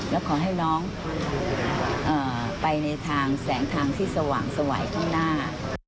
แล้วก็ขอให้น้องไปในแสงทางแสวงสว่ายข้างหน้า